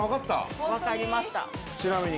ちなみに。